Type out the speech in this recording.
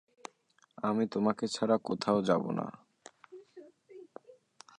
আমি তোমাকে ছাড়া কোথাও যাবো না।